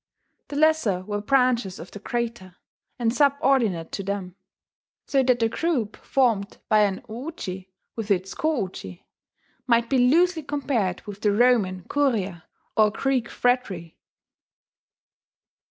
The lesser were branches of the greater, and subordinate to them, so that the group formed by an O uji with its Ko uji might be loosely compared with the Roman curia or Greek phratry.